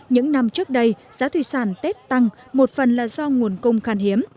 những năm trước đây giá thủy sản tết tăng một phần là do nguồn công khăn hiếp